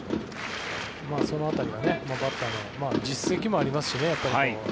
その辺りはバッターの実績もありますしね。